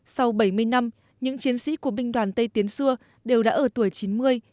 sau bảy mươi năm những chiến sĩ của binh đoàn tây tiến xưa đều đã ở tuổi chín mươi